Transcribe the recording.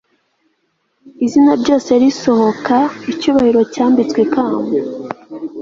izina ryose risohoka, icyubahiro cyambitswe ikamba